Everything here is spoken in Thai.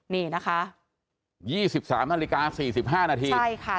นี่นะคะ๒๓นาฬิกา๔๕นาทีใช่ค่ะ